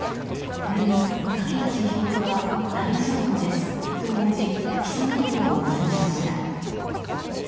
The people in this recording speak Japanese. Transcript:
これに梯被告は大丈夫ですと応じ起訴内容を認めました。